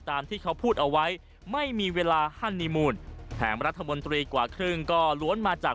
ตามที่เขาพูดเอาไว้ไม่มีเวลาฮันนีมูลแถมรัฐมนตรีกว่าครึ่งก็ล้วนมาจาก